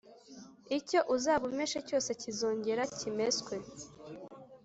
Icyo uzaba umeshe cyose kizongere kimeswe